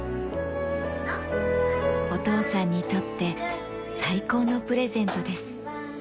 お父さんにとって最高のプレゼントです。